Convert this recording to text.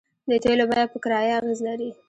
د تیلو بیه په کرایه اغیز لري